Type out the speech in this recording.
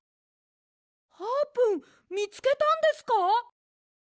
あーぷんみつけたんですか？